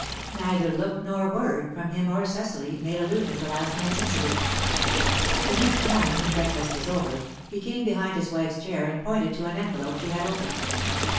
Neither look nor word, from him or Cecily, made allusion to last night's incident. The next morning, when breakfast was over, he came behind his wife's chair and pointed to an envelope she had opened.